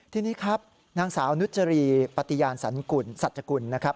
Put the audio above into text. ทีนี้ครับนางสาวนุจรีปฏิญาณสันกุลสัจกุลนะครับ